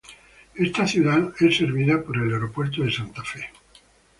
Esta ciudad es servida por el Aeropuerto de Yellowknife.